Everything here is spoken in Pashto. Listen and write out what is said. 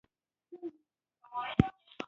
ژوندي ملتونه خپل ملي ارزښتونه په ښه توکه ساتي.